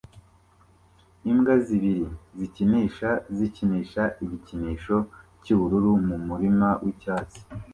Imbwa zibiri zikinisha zikinisha igikinisho cyubururu mumurima wicyatsi